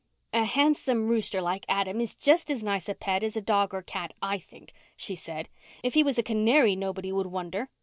"A handsome rooster like Adam is just as nice a pet as a dog or cat, I think," she said. "If he was a canary nobody would wonder.